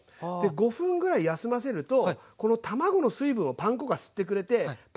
５分ぐらい休ませるとこの卵の水分をパン粉が吸ってくれてパン粉がしっとりします。